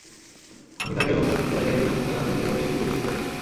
আমি তাকে এবং তার সম্প্রদায়কে দেখলাম তারা আল্লাহর পরিবর্তে সূর্যকে সিজদা করছে।